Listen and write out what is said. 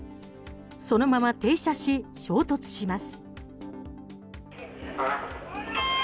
そのまま停車し、衝突します。